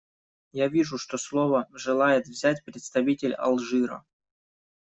Я вижу, что слово желает взять представитель Алжира.